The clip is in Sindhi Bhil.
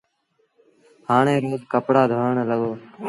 هآڻي روز ڪپڙآ ڌوڻ لڳو۔